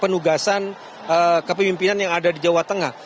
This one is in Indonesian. penugasan kepemimpinan yang ada di jawa tengah